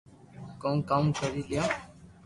ڪو ڪاو ڪري ليو